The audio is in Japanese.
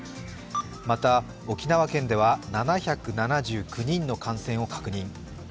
また、沖縄県では７７９人の感染を確認。